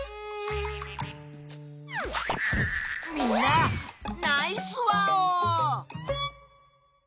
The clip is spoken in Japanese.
みんなナイスワオー！